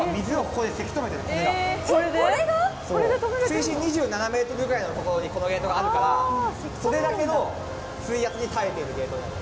水深２７ｍぐらいの所にこのゲートがあるからそれだけの水圧に耐えているゲートなの。